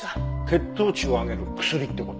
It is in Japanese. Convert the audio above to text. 血糖値を上げる薬って事？